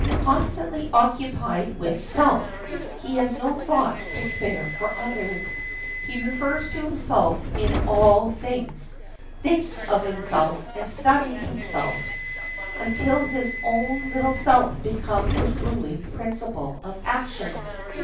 Constantly occupied with self, he has no thoughts to spare for others. He refers to himself in all things, thinks of himself, and studies himself, until his own little self becomes his ruling principle of action.